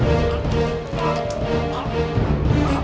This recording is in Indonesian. ye sudah gila